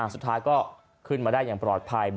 สุดท้ายก็ขึ้นมาได้อย่างปลอดภัย